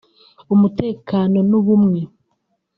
umutekano n’ubumwe